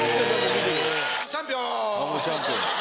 チャンピオン！